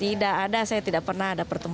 tidak ada saya tidak pernah ada pertemuan